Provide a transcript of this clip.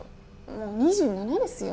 もう２７ですよ？